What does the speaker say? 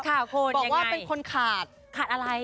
บอกว่าเป็นคนขาดขาดอะไร